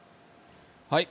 はい。